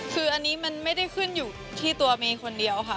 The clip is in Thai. คืออันนี้มันไม่ได้ขึ้นอยู่ที่ตัวเมย์คนเดียวค่ะ